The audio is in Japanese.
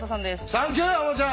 サンキューハマちゃん！